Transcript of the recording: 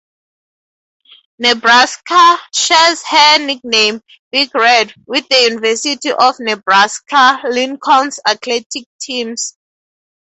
"Nebraska" shares her nickname, "Big Red", with the University of Nebraska-Lincoln's athletic teams.